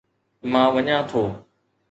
مان وڃان ٿو